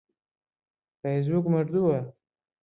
فەیسبووک مردووە.